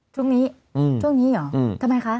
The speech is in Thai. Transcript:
ช่วงนี้ช่วงนี้เหรอทำไมคะ